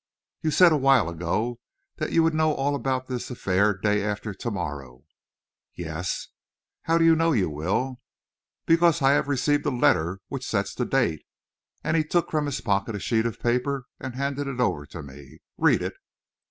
"You said a while ago that you would know all about this affair day after to morrow." "Yes." "How do you know you will?" "Because I have received a letter which sets the date," and he took from his pocket a sheet of paper and handed it over to me. "Read it!"